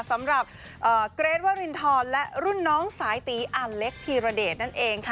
สำหรับเกรทวรินทรและรุ่นน้องสายตีอาเล็กธีรเดชนั่นเองค่ะ